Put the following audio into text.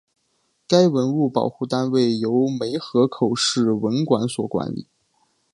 该文物保护单位由梅河口市文管所管理。